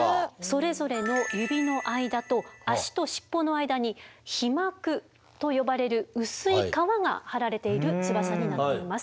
それぞれの指の間と足と尻尾の間に飛膜と呼ばれる薄い皮がはられている翼になっています。